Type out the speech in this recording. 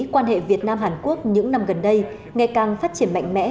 quan hệ việt nam hàn quốc những năm gần đây ngày càng phát triển mạnh mẽ